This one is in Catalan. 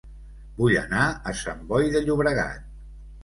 Vull anar a Sant Boi de Llobregat